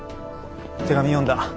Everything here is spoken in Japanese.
手紙読んだ。